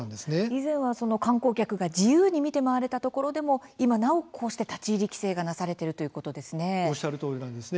以前は観光客が自由に見て回れたところでも今なお、こうして立ち入り規制がなされているおっしゃるとおりなんです。